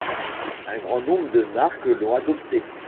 Un grand nombre de marques l’ont adopté.